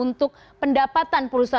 untuk pendapatan perusahaan